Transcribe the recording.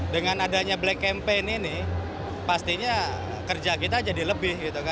dengan adanya black campaign ini pastinya kerja kita jadi lebih